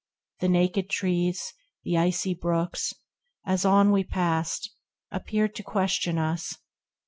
The naked trees, The icy brooks, as on we passed, appeared To question us.